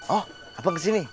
oh bang kesini